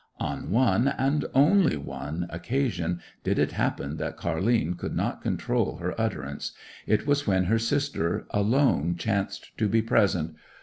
On one, and only one, occasion did it happen that Car'line could not control her utterance; it was when her sister alone chanced to be present.